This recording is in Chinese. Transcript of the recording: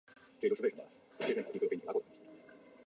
还曾面对红袜时击出满贯炮。